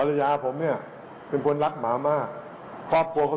มีคนใจดีก็ตัดสินใจนั่งรถจากหมอชิตจะไปขอนแก่น